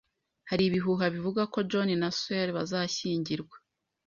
Hari ibihuha bivuga ko John na Sue bazashyingirwa.